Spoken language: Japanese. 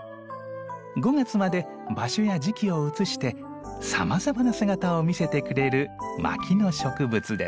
５月まで場所や時期を移してさまざまな姿を見せてくれる牧野植物です。